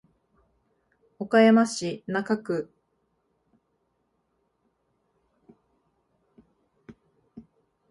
岡山市中区